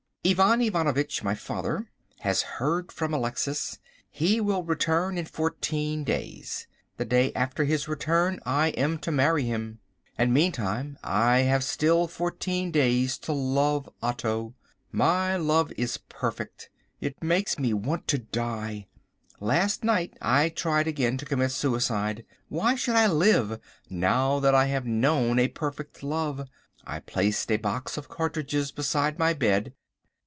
Ivan Ivanovitch, my father, has heard from Alexis. He will return in fourteen days. The day after his return I am to marry him. And meantime I have still fourteen days to love Otto. My love is perfect. It makes me want to die. Last night I tried again to commit suicide. Why should I live now that I have known a perfect love? I placed a box of cartridges beside my bed.